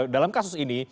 dalam kasus ini